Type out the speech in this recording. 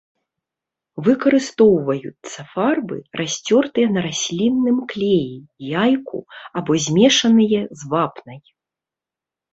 Выкарыстоўваюцца фарбы, расцёртыя на раслінным клеі, яйку або змешаныя з вапнай.